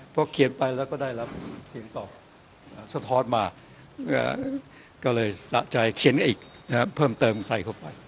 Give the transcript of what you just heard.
พอเขียนไปแล้วก็ได้รับเสียงตอบสะท้อนมาก็เลยสะใจเขียนอีกเพิ่มเติมใส่เข้าไป